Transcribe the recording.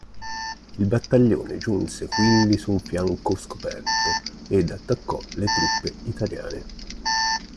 Il Battaglione giunse quindi su un fianco scoperto ed attaccò le truppe italiane.